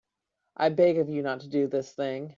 I beg of you not to do this thing.